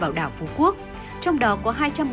vào đảo phú quốc trong đó có